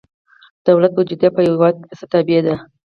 دولت بودیجه په یو هیواد کې د څه تابع ده؟